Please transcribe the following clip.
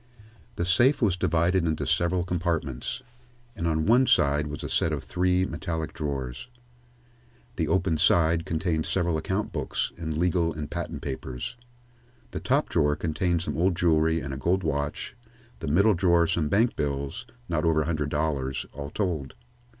The safe was divided into several compartments, and on one side was a set of three metallic drawers. The open side contained several account books and legal and patent papers. The top drawer contained some old jewelry and a gold watch, the middle drawer some bank bills, not over a hundred dollars, all told.